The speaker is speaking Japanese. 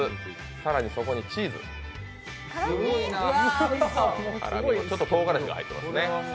更にそこにチーズ、ちょっととうがらしも入ってますね。